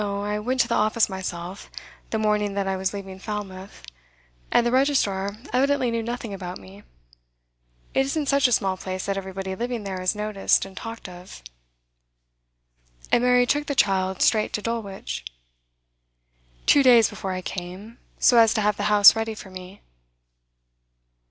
I went to the office myself, the morning that I was leaving Falmouth, and the registrar evidently knew nothing about me. It isn't such a small place that everybody living there is noticed and talked of.' 'And Mary took the child straight to Dulwich?' 'Two days before I came, so as to have the house ready for me.